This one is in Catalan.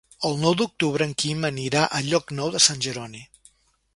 El nou d'octubre en Quim anirà a Llocnou de Sant Jeroni.